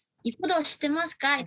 「一風堂知ってますか？」